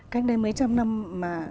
cách đây mấy trăm năm mà